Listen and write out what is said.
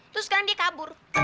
terus sekarang dia kabur